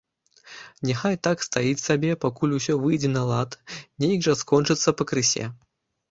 Няхай так стаіць сабе, пакуль усё выйдзе на лад, нейк жа скончыцца пакрысе.